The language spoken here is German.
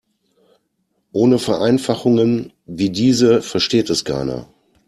Ohne Vereinfachungen wie diese versteht es keiner.